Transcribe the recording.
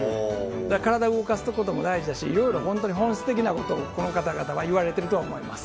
体を動かすことも大事だし、いろいろ本当に本質的なことをこの方々は言われてるとは思います。